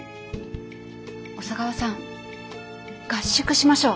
小佐川さん合宿しましょう。